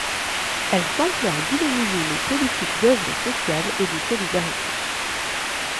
Elle s'emploie à dynamiser une politique d’œuvres sociales et de solidarité.